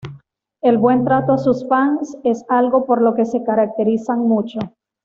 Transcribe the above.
El buen trato a sus fans es algo por lo que se caracterizan mucho.